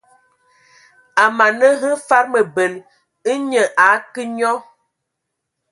A mana hm fad mǝbǝl, nnye a akǝ nyɔ.